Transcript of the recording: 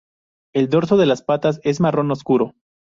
El dorso de las patas es marrón oscuro.